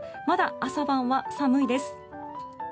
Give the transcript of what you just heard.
まだ朝晩は寒いです。